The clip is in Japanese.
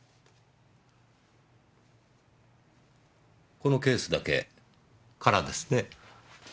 このケースだけ空ですね。